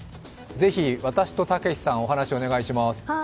ぜひ「私とたけしさん」お話お願いします。